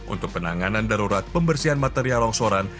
untuk penanganan darurat pembersihan material longsoran